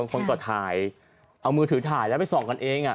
คนก็ถ่ายเอามือถือถ่ายแล้วไปส่องกันเอง